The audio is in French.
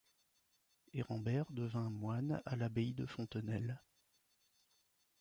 Erembert devint moine à l'abbaye de Fontenelle.